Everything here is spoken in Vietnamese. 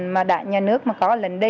mà nhà nước mà có lệnh đi